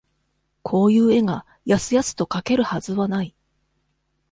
こういう絵が、やすやすと描けるはずはない。